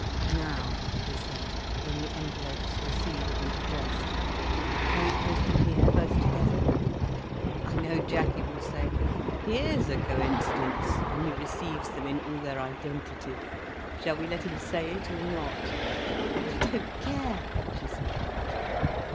"Now," he said, when the envelopes were sealed and addressed, "shall we post them here, both together? I know Jackie will say, 'Here's a coincidence!' when he receives them in all their identity. Shall we let him say it, or not?" "I don't care," she said.